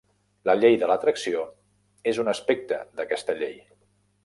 La llei de l'atracció és un aspecte d'aquesta llei.